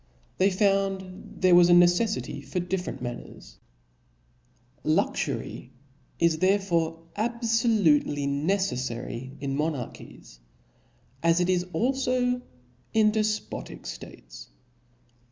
They found there was a necelllty for (*) MuU different manners. 't^"1* Luxury is therefore abfolutely neceflary in mo terum me narchics; as it is alfo in defpotic dates.